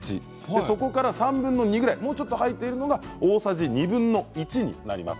底から３分の２ぐらいもう少し入っているのが大さじ２分の１になります。